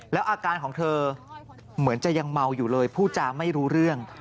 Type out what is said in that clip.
แล้วอาการของเธอเหมือนจะยังเมาอยู่เลยพูดจาไม่รู้เรื่อง